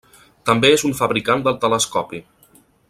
També és un fabricant del telescopi.